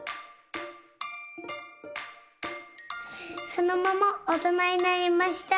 そのままおとなになりました。